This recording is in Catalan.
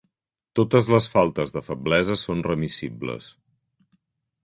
Totes les faltes de feblesa són remissibles.